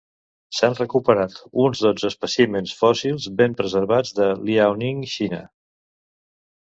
S'han recuperat uns dotze espècimens fòssils ben preservats de Liaoning, Xina.